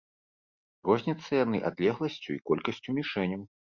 Розняцца яны адлегласцю і колькасцю мішэняў.